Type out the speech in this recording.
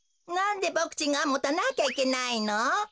なんでボクちんがもたなきゃいけないの？